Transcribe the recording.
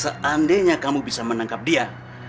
seandainya kamu bisa menangkap dia